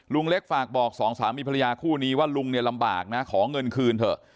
ลุงเล็กฝากบอกสองสามีภรรยาคู่นี้ว่าลุงเนี่ยลำบากนะขอเงินคืนเถอะ